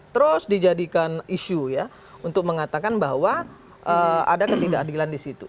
terus dijadikan isu ya untuk mengatakan bahwa ada ketidakadilan di situ